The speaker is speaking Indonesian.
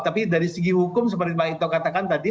tapi dari segi hukum seperti pak ito katakan tadi